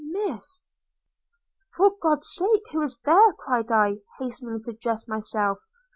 Miss! 'For God's sake, who is there?' cried I, hastening to dress myself.